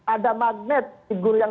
ada magnet figur yang